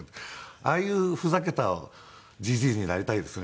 ああいうふざけたジジイになりたいですね。